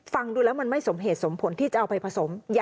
ฟังดูแล้วมันไม่สมเหตุสมผลที่จะเอาไปผสม